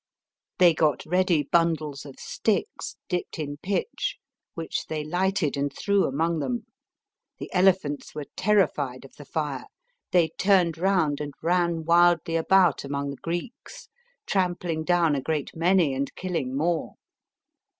They got ready bundles of sticks, dipped in pitch, which they lighted and threw among them. The elephants were terrified of the fire ; they turned round and ran wildly about among the Greeks, trampling down a great many and killing more.